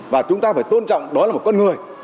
và chúng ta phải tôn trọng đó là một con người